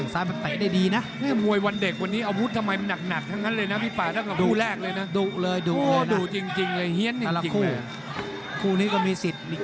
ถ้าแหละคู่คู่นี้ก็มีสิทธิ์